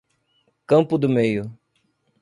Campo do Meio